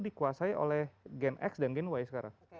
dikuasai oleh gen x dan gen y sekarang